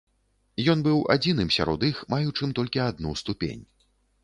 Ён быў адзіным сярод іх, маючым толькі адну ступень.